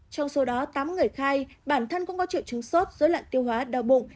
trong số đó tám người khai bản thân cũng có triệu chứng sốt dưới lạng tiêu hóa đau bụng